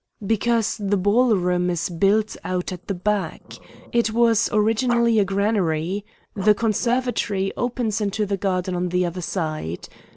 "Because the ball room is built out at the back. It was originally a granary. The conservatory opens into the garden on the other side.